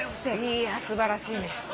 いや素晴らしいね。